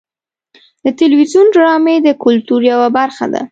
د تلویزیون ډرامې د کلتور یوه برخه ده.